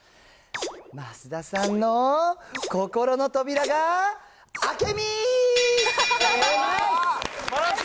増田さんの心の扉が、うまい！